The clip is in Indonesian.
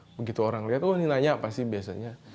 begitu orang lihat wah ini nanya apa sih biasanya